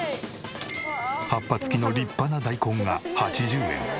葉っぱ付きの立派な大根が８０円。